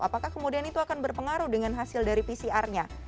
apakah kemudian itu akan berpengaruh dengan hasil dari pcr nya